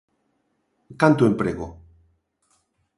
¿Canto emprego?